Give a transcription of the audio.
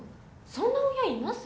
そんな親います？